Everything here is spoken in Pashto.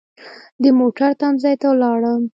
د موټرو تم ځای ته ولاړم.